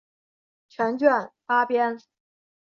全卷八编。